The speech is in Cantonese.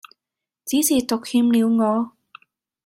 只是獨欠了我